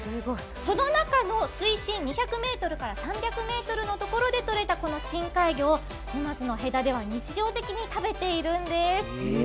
その中の水深２００ｍから３００ｍのところでとれたこの深海魚を沼津の戸田では日常的に食べているんです。